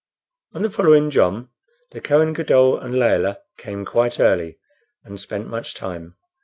On the following jom the Kohen Gadol and Layelah came quite early and spent much time.